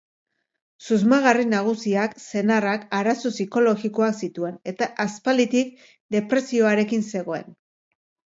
Susmagarri nagusiak, senarrak, arazo psikologikoak zituen eta aspalditik depresioarekin zegoen.